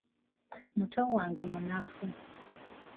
Muto Wange munafu.